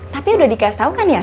tapi udah dikasih tau kan ya